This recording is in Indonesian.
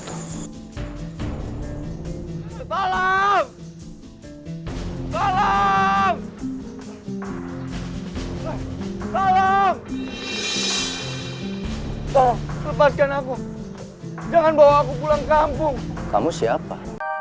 hai salam salam salam toh lepaskan aku jangan bawa aku pulang kampung kamu siapa